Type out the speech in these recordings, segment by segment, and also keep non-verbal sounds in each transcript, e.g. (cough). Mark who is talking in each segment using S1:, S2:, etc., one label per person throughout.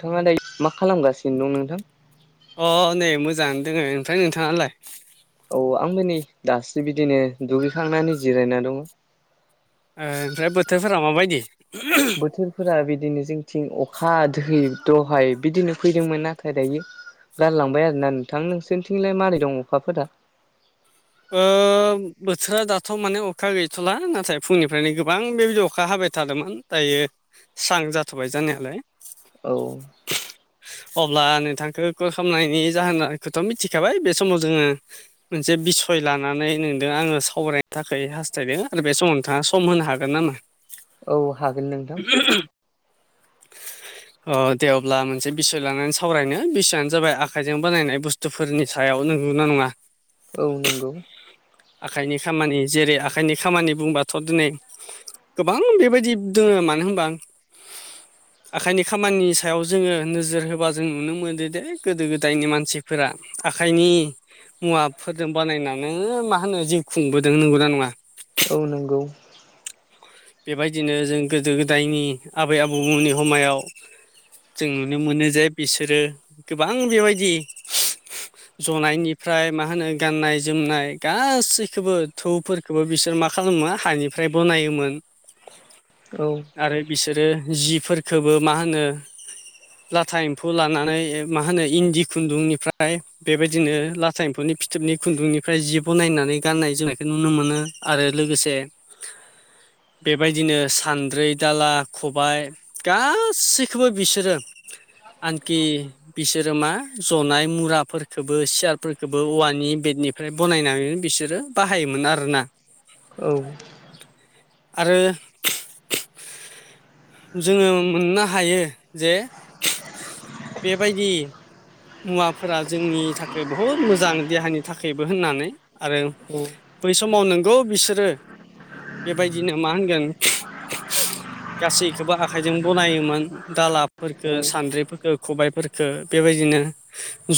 S1: नोंथाङा दायो मा खालामगासिनो दं नोंथां?
S2: अ नै मोजांआनो दङो ओमफाय नोंथाङालाय?
S1: औ आंबो नै दासो बिदिनो दुगैखांनानै जिरायना दङ।
S2: ओ ओमफ्राय बोथोरफोरा माबायदि?
S1: बोथोरफोरा बिदिनो जोंथिं अखा दै दहाय बिदिनो फैदोंमोन नाथाय दायो गारलांबाय आरोना नोंथां। नोंसोरनिथिंलाय मारै दं अखाफोरा?
S2: ओ बोथोरा दाथ' माने अखा गैथ'ला नाथाय फुंनिफ्रायनो गोबां बेबायदि अखा हाबाय थादोंमोन। दायो स्रां जाथ'बाय जानायालाय।
S1: औ
S2: अब्ला नोंथांखौ कल खालामनायनि जाहोनाखौथ' मिथिखाबाय बे समाव जोङो मोनसे बिस सय लानानै नोंदों आङो सावरायनो थाखाय हास्थायदों आरो बे समाव नोंथाङा सम होनो हागोन नामा?
S1: औ हागोन नोंथां
S2: (unintelligible)
S1: (inaudible)
S2: ओ दे अब्ला मोनसे बिसय लानानै सावरायनो बिसयानो जाबाय आखाइजों बानायनाय बुस्थु फोरनि सायाव नोंगौना नङा
S1: औ नोंगौ
S2: आखाइनि खामानि जेरै आखाइनि खामानि बुंबाथ' दिनै गोबां बेबायदि दोङो मानो होमबा
S1: (inaudible)
S2: आखाइनि खामानिनि सायाव जोङो नोजोर होबा जों नुनो मोनो दे गोदो गोदायनि मानसि फोरा आखाइनि मुवाफोरजों बानायना नो मा होनो जिउ खुंबोदों नंगौना नङा?
S1: औ नोंगौ
S2: बेबायदिनो जों गोदो गोदायनि आबै आबौमोननि हमायाव जों नुनो मोनो जे बिसोरो गोबां बेबायदि जनायनिफ्राय मा होनो गाननाय जोमनाय गासैखौबो थौफोर खोबो बिसोर मा खालामो हानिफ्राय बनायोमोन। (inaudible)
S1: औ
S2: आरो बिसोरो जि फोरखोबो मा होनो लाथा एम्फौ लानानै मा होनो इन्दि खुन्दुंनिफ्राय बेबायदिनो लाथा एम्फौनि फिथोबनि खुन्दुंनिफ्राय जि बनायनानै गाननाय जोमनायखौ नुनो मोनो। आरो लोगोसे बेबायदिनो सान्द्रिै दाला खबाय गासैखौबो बिसोरो आंखि बिसोरो मा जनाय मुराखबो सियारफोरखबो औवानि बेडनि ओमफ्राय बनायनानै बिसोरो बाहायोमोन आरोना।
S1: औ
S2: आरो जोङो मोननो हायो जे बेबायदि मुवाफोरा जोंनि थाखाय बहुद मोजां देहानि थाखायबो होननानै आरो बै समाव नोंगौ बिसोरो बेबायदिनो मा होनगोन गासैखौबो आखाइजों बनायोमोन दालाबफोरफोरखौ
S1: औ
S2: सान्द्रिफोरफोरखौ खबायफोरफोरखौो बेबायदिनो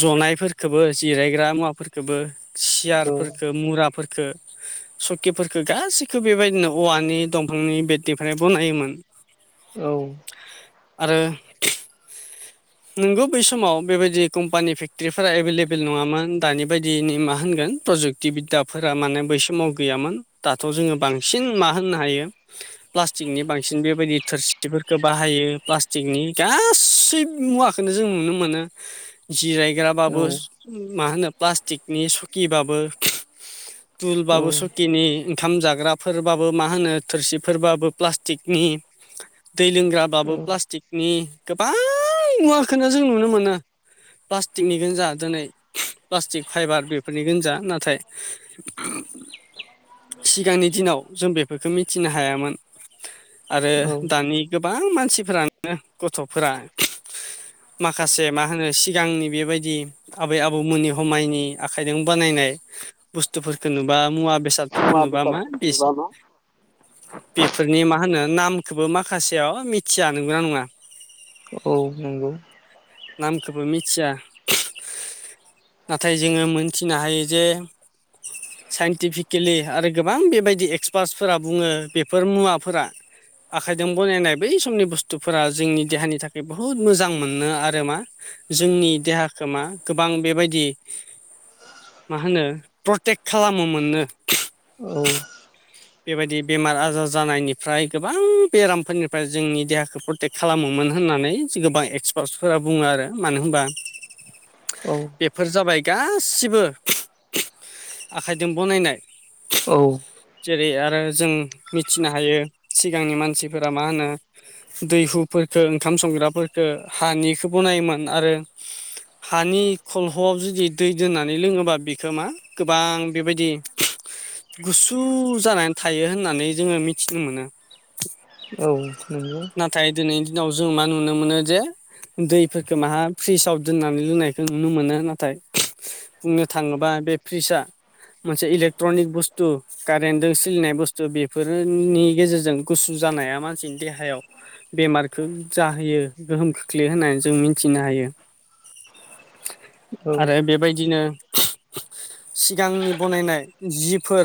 S2: जनायफोरफोरखौबो जिरायग्रा मुवाफोरखौबो
S1: औ
S2: सियारफोरफोरखौ मुराफोरखौ सकिफोरखौ गासैखौबो बेबायदिनो औवानि दंफांनि बेटनिफ्राय बनायोमोन।
S1: औ
S2: आरो नोंगौ बै समाव बेबायदि कम्पानि फेक्टर्रिफोरा एभेलेबेल नङामोन दानि बायदि मा होनगोन प्रजेक्ट पुरतिबिद्दाफोरा माने बै समाव गैयामोन दाथ' जोङो बांसिन मा होननो हायो। प्लास्टिकनि बांसिन बेबायदि थोरसिथिफोरखौ बाहायो प्लास्टिकनि गासैबो मुवाखौनो जों नुनो मोनो। जिरायग्राबाबो मा होनो प्लास्टिकनि सकिबाबो
S1: औ
S2: तुलबाबो सकिनि ओंखाम जाग्राफोरबाबो मा होनो थोरसिफोरबाबो प्लास्टिकनि दै लोंग्राबाबो प्लास्टिकनि गोबां मुवाखौनो जों नुनो मोनो। प्लास्टिकनिखौनो जा दिनै प्लास्टिक फाइबार बेफोरनि गोनजा। नाथाय सिगांनि दिनाव जों बेफोरखौ मिथिनो हायामोन। आरो
S1: औ
S2: दानि गोबां मानसिफोरानो गथ'फोरा माखासे मा होनो सिगांनि बेबायदि आबै आबौमोननि समायनि आखाइजों बानायनाय बुस्थुफोरफोरखौ नुबा मुवा बेसाद फोरखौ
S1: मुवा
S2: नुबा मा
S1: बेसादफोरखौ
S2: बेस
S1: नुबा मा
S2: बेफोरनि मा होनो नामखौबो माखासेयाव मिथियाानोंगौना नङा।
S1: औ नंगौ
S2: नामखौबो मिथिया नाथाय जोङो मोनथिनो हायो जे
S1: (inaudible)
S2: साइन्टिफिकेलि आरो गोबां बेबायदि एक्सपार्टसफोरा बुङो बेफोर मुवाफोरा आखाइजों बनायनाय बै समनि बुस्थुफोरा जोंनि देहानि थाखाय बहुद मोजां मोनो आरो मा जोंनि देहाखौ मा गोबां बेबायदि मा होनो प्रटेक्ट खालामोननो
S1: औ
S2: बेबायदि बेमार आजार जानायनिफ्राय गोबां बेरामफोरनिफ्राय जोंनि देहाखौ प्रटेक खालामोमोन होननानै गोबां एक्सपार्टसफोरा बुङो आरो मानो होनबा
S1: औ
S2: बेफोर जाबाय गासिबो आखाइजों बनायनाय
S1: औ
S2: जेरै आरो जों मिथिनो हायो सिगांनि मानसिफोरा मा होनो दै हुफोरखौ ओंखाम संग्राफोरफोरखौ हानिखौ बनायोमोन आरो हानि खलह'आव जुदि दै दोननानै लोङोबा बेखो मा गोबां बेबायदि गुसु जानानै थायो होननानै जोङो मिथिनो मोनो।
S1: औ नंगौ।
S2: नाथाय दिनैनि दिनाव जों मा नुनो मोनो जे दैफोरखौ माहा फ्रिजाव दोननानै लोंनायखौ नुनो मोनो नाथाय बुंनो थाङोबा बे फ्रिज आ मोनसे इलेक्ट्रनिक बुस्थु गा रेन्दों सोलिनाय बुस्थु बेफोरनि गेजेरजों गुसु जानाया मानसिनि देहायाव बेमारखौ जाहोयो गोहोम खोख्लैयो होननानै जों मिनथिनो हायो।
S1: (inaudible) औ
S2: आरो बेबायदिनो सिगांनि बनायनाय जिफोर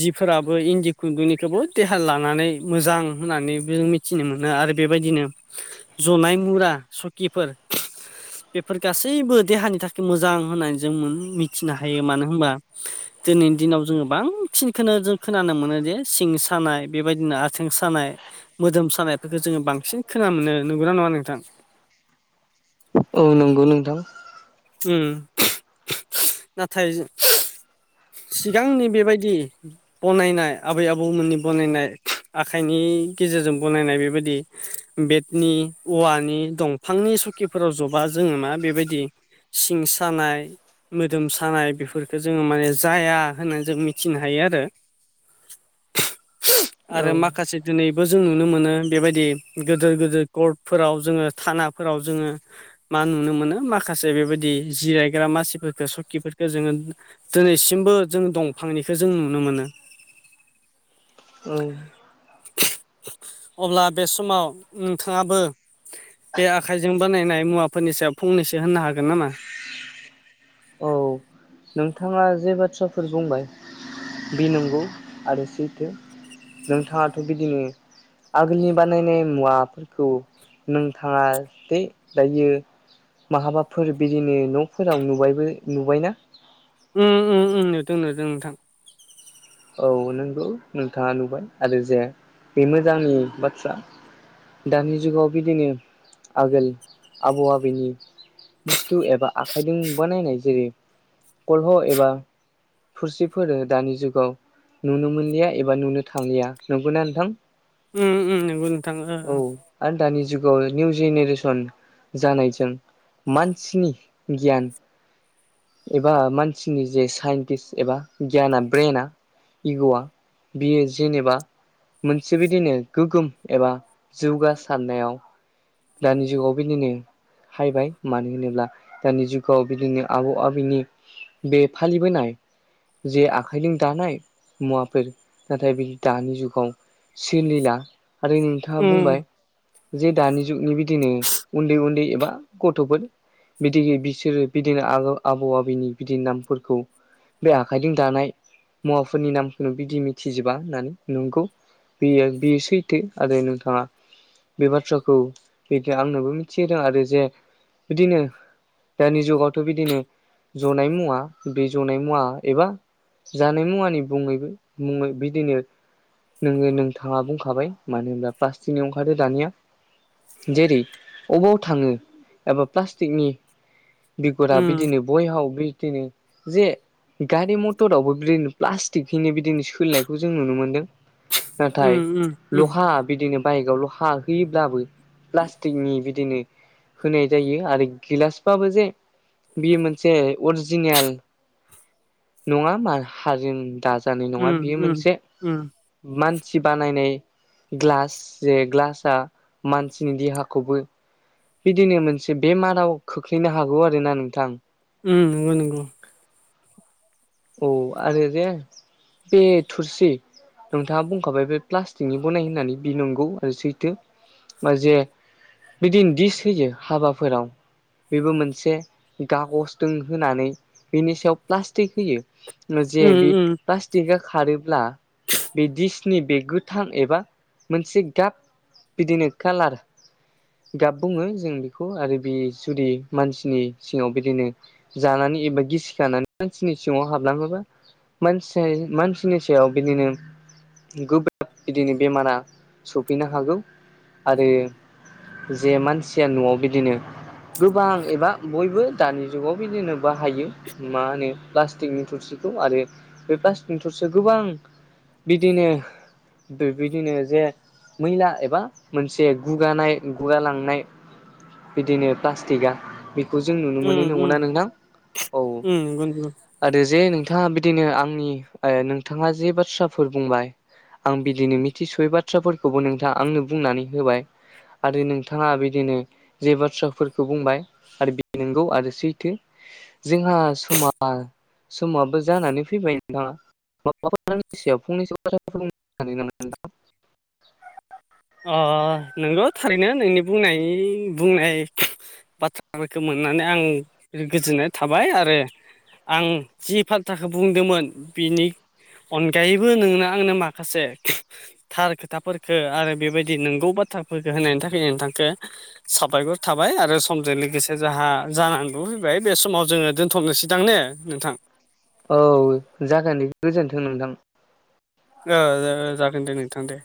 S2: जिफोराबो इन्दि खुन्दुंनिखौबो देहा लानानै मोजां होननानै जों मिथिनो मोनो आरो बेबायदिनो
S1: (inaudible)
S2: जनाय मुरा सकिफोर बेफोर गासैबो देहानि थाखाय मोजां होननानै जों मिथिनो हायो मानो होनबा दिनैनि दिनाव जोङो बां बांसिनखौनो जों खोनानो मोनो जे सिं सानाय बेबायदिनो आथिं सानाय मोदोम सानायफोरखौ जोङो बांसिन खोना नो मोननो नुगौना नङा नोंथां
S1: औ नंगौ नोंथां
S2: नाथाय सिगांनि बेबायदि बनायनाय आबै आबौमोननि बनायनाय आखाइनि गेजेरजों बनायनाय बेबायदि बेटनि औवानि दंफांनि सकिफोराव जबा जोङो मा बेबायदि सिं सानाय मोदोम सानाय बेफोरफोरखौो जोङो माने जाया होननानै जों मिथिनो हायो आरो।
S1: (unintelligible)
S2: आरो माखासे दिनैबो जों नुनो मोनो बेबायदि गोदो गोदोर कर्ट फोराव जोङो थानाफोराव जोङो मा नुनो मोनो माखासे माखासे बेबायदि जिरायग्रा मानसिफोरफोरखौो सकिफोरफोरखौ जोङो दिनैसिमबो जों दंफांनिखो जों नुनो मोनो।
S1: औ
S2: अब्ला बे समाव नोंथाङाबो बे आखाइजों बानायनाय मुवाफोरनि सायाव फंनैसो होननो हागोन नामा?
S1: औ नोंथाङा जे बाथ्राफोर बुंबाय बि नंगौ आरो सैथो नोंथाङाथ' बिदिनो आगोलनि बानायनाय मुवाफोरखौ नोंथाङा दे दायो। महाबाफोर बिदिनो न'फोराव नुबायबो नुबायनाा
S2: उम उम उम नुदों नुदों नोंथां।
S1: औ नोंगौ नोंथाङा नुबाय आरो जे बे मोजांनि बाथ्रा। दानि जुगाव बिदिनो आगोल आबौ आबैनि बुस्थु एबा आखाइदों बानायनाय जेरै गलह' एबा फुरसिफोरो दानि जुगाव नुनो मोनलिया एबा नुनो थांलिया नंगौना नोंथां?
S2: उम उम नोंगौ नोंथां ओ
S1: औ
S2: ओ।
S1: आरो दानि जुगाव निउ जेनेरेसन जानायजों मानसिनि गियान एबा मानसिनि जे साइन्टिस एबा गियाना ब्रेना इग'आ बियो जेनेबा मोनसे बिदिनो गोगोम एबा जौगासारनायाव दानि जुगाव बेनिनो हायबाय मानो होनोब्ला दानि जुगाव बिदिनो आबौ आबैनि बे फालिबोनाय जे आखाइदों दानाय मुवाफोर नाथाय बि दानि जुगाव सोलिला आरो नोंथाङा
S2: ओ
S1: बुंबाय जे दानि जुगनि बिदिनो उन्दै उन्दै एबा गथ'फोर बिदिगि बिसोरो बिदिनो आग आबौ आबैनि बिदिनो नामफोरखौ बे आखाइदों दानाय मुवाफोरनि नामखौनो बिदि मिथिजोबा होननानै नोंगौ। बियो बियो सैथो आरो नोंथाङा बे बाथ्राखौ बिदिनो आंनोबो मिथिहोदों आरो जे बिदिनो दानि जुगावथ' बिदिनो जनाय मुवा बे जनाय मुवा एबा जानाय मुवानि बुङैबो मुङै बिदिनो नोङो नोंथाङा बुंखाबाय मानो होनबा प्लास्टिकनि अंखारो दानिया। जेरै अबाव थाङो एबा प्लास्टिकनि बिगुरा
S2: उम
S1: बिदिनो बयहाव ब्रिथिनि जे गारि मटरावबो ब्रिनो प्लास्टिकहैनो बिदिनो सोलिनायखौ जों नुनो मोन्दों। नाथाय
S2: उम उम उम
S1: लहा बिदिनो बाइकआव लहा होयोब्लाबो प्लास्टिकनि बिदिनो होनाय जायो आरो गिलासबाबो जे बियो मोनसे अरजिनेल नङा मा हाजों दाज जानाय नङा
S2: उम
S1: बियो
S2: उम
S1: मोनसे
S2: उम
S1: मानसि बानायनाय ग्लास जे ग्लासआ मानसिनि दिहाखौबो बिदिनो मोनसे बेमाराव खोख्लैनो हागौ आरो ना नोंथां।
S2: उम नोंगौ नोंगौ।
S1: औ आरो दे बे थुरसि नोंथाङा बुंखाबाय बे प्लास्टिकनि बनाय होननानै बि नंगौ आरो सैथो आ जे बिदिन दिस होयो हाबाफोराव बेबो मोनसे गागसदों होनानै बिनि सायाव प्लास्टिक होयो। नो जे
S2: उम
S1: बे
S2: उम
S1: प्लास टिगआ खारोब्ला बे दिसनि बे गोथां एबा मोनसे गाब बिदिनो कालार गाब बुङो जों बिखौ आरो बि जुदि मानसिनि सिङाव बिदिनो जानानै एबा गिसिखानानै मानसिनि सिङाव हाबलाङाबा मानसाय मानसिनि सायाव बिदिनो गोब्राब बिदिनो बेमारा सैफैनो हागौ आरो जे मानसिया न'आव बिदिनो गोबां एबा बयबो दानि जुगाव बिदिनो बाहायो मा होनो प्लास्टिकनि थुरसिखौ आरो बे प्लास्टिकनि थुरसिया गोबां बिदिनो बेबायदिनो जे मैला एबा मोनसे गुगानाय गुगालांनाय बिदिनो प्लास्टिकआ बेखौ जों नुनो मोनो नङौना नोंथां औ।
S2: गथ
S1: आरो जे नोंथाङा बिदिनो आंनि नोंथाङा जे बाथ्राफोर बुंबाय। आं बिदिनो मिथिस'यै बाथ्राफोरखौबो नोंथाङा आंनो बुंनानै होबाय। आरो नोंथाङा बिदिनो जे बाथ्राफोरखौ बुंबाय आरो बे नंगौ आरो सैथो जोंहा समाव। साबो जानानै फैबाय नोंथाङा माबाफोरनि सायाव फंनैसो फोर (unintelligible)
S2: अ नोंगौ थारैनो नोंनि बुंनाय बुंनाय। बाथ्राफोरखौ मोननानै आं गोजोननाय थाबाय आरो। आं जि बाथ्राखौ बुंदोंमोन बिनि अनगायैबो नोंना आंनो माखासे थार खोथाफोरफोरखौ आरो बेबायदि नंगौ बाथ्राफोरखौ होनायनि थाखाय नोंथांखौ। साबायखर थाबाय आरो समजों लोगोसे जोंहा जानांगौ फैबाय बे समाव जोङो दोनथ'नोसै दां ने नोंथां।
S1: औ जाखोन गोजोन्थों नोंथां।
S2: जागोन दे नोंथां दे।